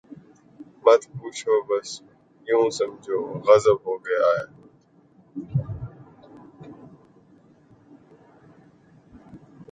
”مت پوچھو بس یوں سمجھو، غضب ہو گیا ہے۔